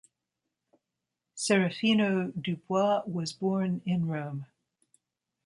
Serafino Dubois was born in Rome.